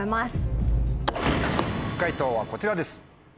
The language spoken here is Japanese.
解答はこちらです。